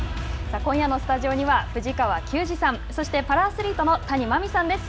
今夜のスタジオには藤川球児さんそしてパラアスリートの谷真海さんです。